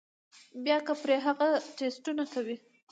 بيا کۀ پرې هغه ټسټونه کوي